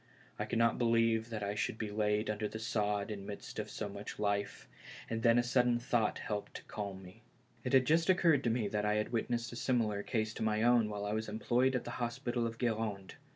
I could not believe that I should be laid under the sod in the midst of so much life, and then a sudden thought helped to calm me. It had just occurred to me that I had witnessed a case similar to my own while I was employed at the hospital of Gud rande.